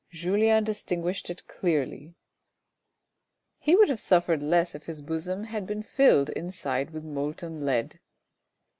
Julien distinguished it clearly. He would have suffered less if his bosom had been filled inside with molten lead.